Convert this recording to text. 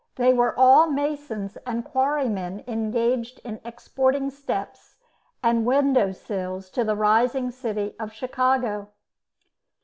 They were all masons and quarrymen engaged in exporting steps and window sills to the rising city of Chicago.